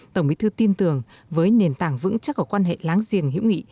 tổng bí thư tin tưởng với nền tảng vững chắc của quan hệ láng giềng hữu nghị